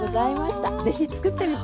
是非作ってみて。